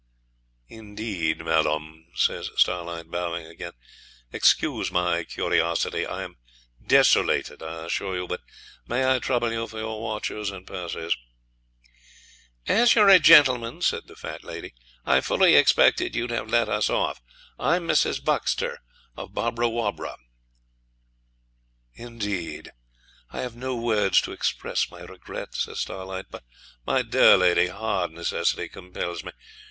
'Indeed, madam,' says Starlight, bowing again; 'excuse my curiosity, I am desolated, I assure you, but may I trouble you for your watches and purses?' 'As you're a gentleman,' said the fat lady, 'I fully expected you'd have let us off. I'm Mrs. Buxter, of Bobbrawobbra.' 'Indeed! I have no words to express my regret,' says Starlight; 'but, my dear lady, hard necessity compels me.